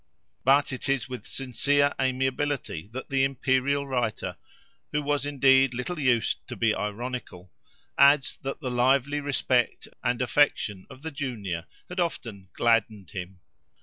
But it is with sincere amiability that the imperial writer, who was indeed little used to be ironical, adds that the lively respect and affection of the junior had often "gladdened" him.